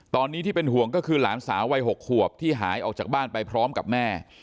ตอนนี้ที่เป็นห่วงก็คือหลานสาววัย๖ขวบที่หายออกจากบ้านไปพร้อมกับแม่